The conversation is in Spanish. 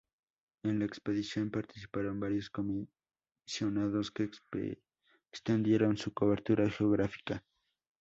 En la expedición participaron varios comisionados que extendieron su cobertura geográfica.